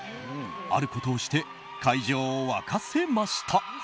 あることをして会場を沸かせました。